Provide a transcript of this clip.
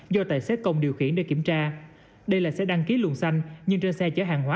do tài xế công điều khiển để kiểm tra đây là xe đăng ký luồng xanh nhưng trên xe chở hàng hóa